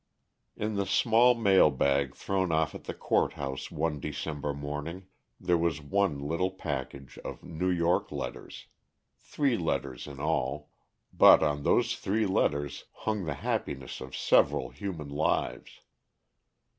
In the small mail bag thrown off at the Court House one December morning, there was one little package of New York letters three letters in all, but on those three letters hung the happiness of several human lives.